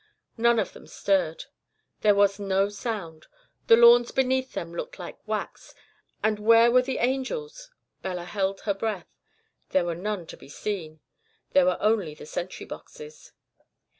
None of them stirred. There was no sound. The lawns beneath them looked like wax. And where were the angels? Bella held her breath. There were none to be seen. There were only the sentry boxes.